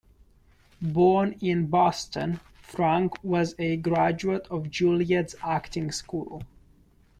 Born in Boston, Frank was a graduate of Juilliard's acting school.